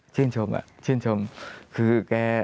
ชื่นชมอ่ะชื่นชมคือแก